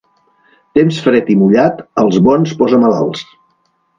Temps fred i mullat als bons posa malalts.